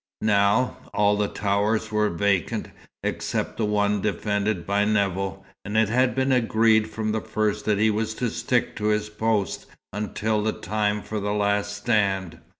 Now, all the towers were vacant, except the one defended by Nevill, and it had been agreed from the first that he was to stick to his post until time for the last stand.